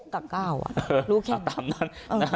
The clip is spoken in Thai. ๖กับ๙อ่ะรู้แค่นั้น